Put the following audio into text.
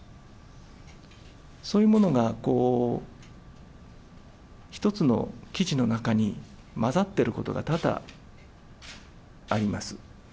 そういうものが一つの記事の中に混ざってることが多々あります。